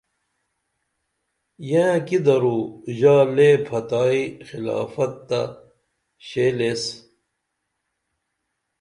ینہ کی درو ژا لے پھتائی خلافت تہ شیل ایس